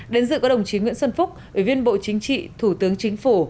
đến dự có đồng chí nguyễn xuân phúc ủy viên bộ chính trị thủ tướng chính phủ